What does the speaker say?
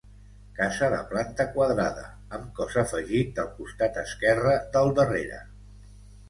Casa de planta quadrada, amb cos afegit al costat esquerre del darrere.